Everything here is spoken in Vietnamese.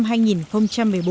nhưng đây là lần đầu tiên